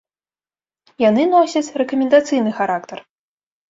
Яны носяць рэкамендацыйны характар.